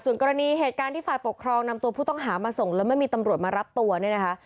ส่วนกรณีเหตุการณ์ที่ฝ่ายปกครองนำตัวผู้ต้องหามาส่งแล้วไม่มีตำรวจมารับตัวเนี่ยนะคะ